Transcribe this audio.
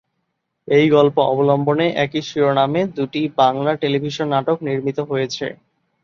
এই গল্প অবলম্বনে একই শিরোনামে দুটি বাংলা টেলিভিশন নাটক নির্মিত হয়েছে।